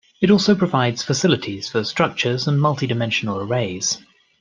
It also provides facilities for structures and multi-dimensional arrays.